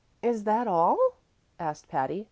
"Is that all?" asked Patty.